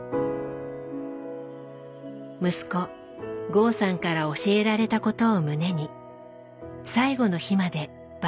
息子剛さんから教えられたことを胸に最期の日まで伴走します。